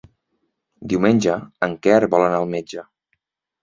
Diumenge en Quer vol anar al metge.